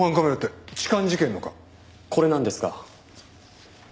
これなんですが。